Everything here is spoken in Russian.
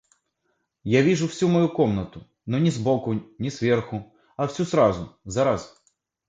Я вижу всю мою комнату, но не сбоку, не сверху, а всю сразу, зараз.